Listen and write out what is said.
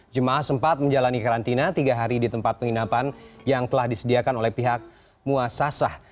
jemaah sempat menjalani karantina tiga hari di tempat penginapan yang telah disediakan oleh pihak muasasah